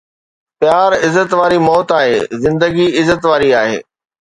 پيار عزت واري موت آهي، زندگي عزت واري آهي